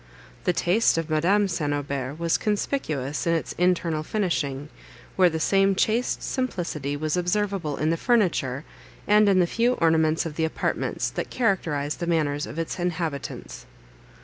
The taste of Madame St. Aubert was conspicuous in its internal finishing, where the same chaste simplicity was observable in the furniture, and in the few ornaments of the apartments, that characterised the manners of its inhabitants.